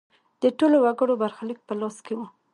د ټولو وګړو برخلیک په لاس کې و.